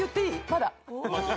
まだ？